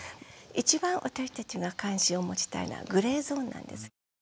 一番私たちが関心を持ちたいのはグレーゾーンなんです。